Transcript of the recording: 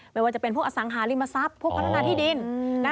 ไม่ว่าจะเป็นพวกอสังหาริมทรัพย์พวกพัฒนาที่ดิน